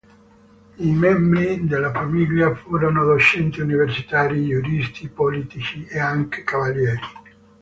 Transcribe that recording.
I membri della famiglia furono docenti universitari, giuristi, politici e anche cavalieri.